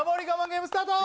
ゲームスタート